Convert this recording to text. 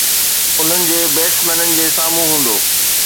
انهن جي بيٽسمينن جي سامهون هوندو